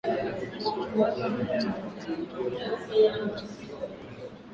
ambao unapita mbali sana matazamio yako yote